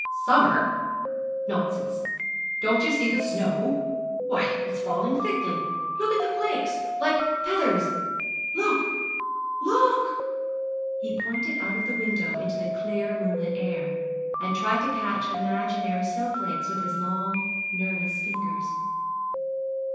'Summer! nonsense. Don't you see the snow? Why, it's falling thickly. Look at the flakes like feathers. Look, look!' He pointed out of the window into the clear moonlit air, and tried to catch imaginary snowflakes with his long, nervous fingers.